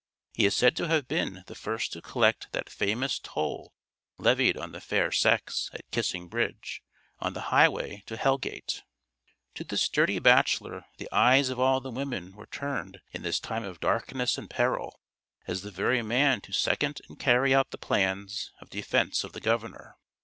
He is said to have been the first to collect that famous toll levied on the fair sex at Kissing Bridge, on the highway to Hell gate. To this sturdy bachelor the eyes of all the women were turned in this time of darkness and peril, as the very man to second and carry out the plans of defence of the governor.